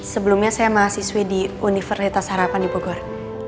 sebelumnya saya mahasiswi di universitas harapan di bogor